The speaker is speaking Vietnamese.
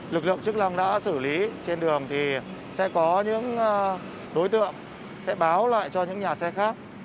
lực lượng chức năng đã xử lý trên đường thì sẽ có những đối tượng sẽ báo lại cho những nhà xe khác